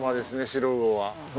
シロウオは。